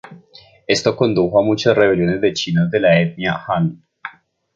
Esto condujo a muchas rebeliones de chinos de la etnia Han.